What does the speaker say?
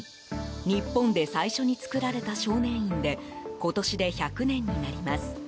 日本で最初に作られた少年院で今年で１００年になります。